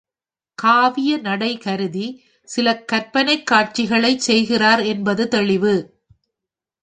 காவியநடை கருதி சில கற்பனைக் காட்சிகளைச் சேர்க்கிறார் என்பது தெளிவு.